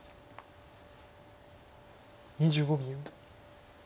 ２５秒。